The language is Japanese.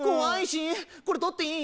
これ取っていい？